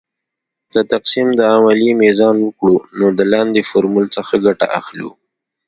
د تقسیم د عملیې میزان وکړو نو د لاندې فورمول څخه ګټه اخلو .